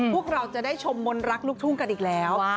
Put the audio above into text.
พวกเราจะได้ชมมนต์รักลูกทุ่งกันอีกแล้ว